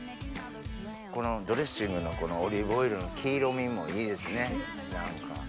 このドレッシングのオリーブオイルの黄色みもいいですね何か。